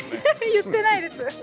言ってないです。